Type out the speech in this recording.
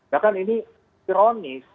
nah kan ini ironis